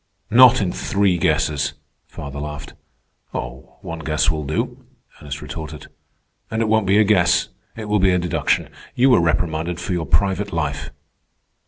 "Not in three guesses," father laughed. "One guess will do," Ernest retorted. "And it won't be a guess. It will be a deduction. You were reprimanded for your private life."